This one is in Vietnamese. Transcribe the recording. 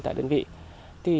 tại đơn vị